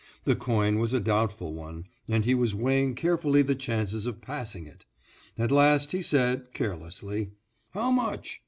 The coin was a doubtful one, and he was weighing carefully the chances of passing it. At last he said, carelessly, "How much?"